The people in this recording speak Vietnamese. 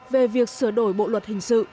về việc sửa đổi bộ luật hình sự